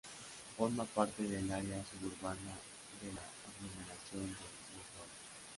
Forma parte del área suburbana de la aglomeración de Mulhouse.